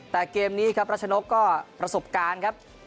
แต่เกมนี้ครับรัชนกก็ประสบการณ์ครับ